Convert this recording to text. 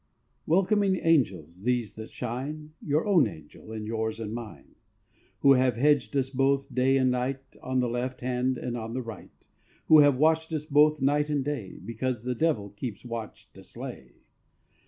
Welcoming angels these that shine, Your own angel, and yours, and mine; Who have hedged us both day and night On the left hand and on the right, Who have watched us both night and day Because the Devil keeps watch to slay.